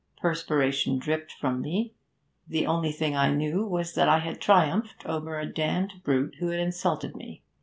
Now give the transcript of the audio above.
Perspiration dripped from me. The only thing I knew was that I had triumphed over a damned brute who had insulted me.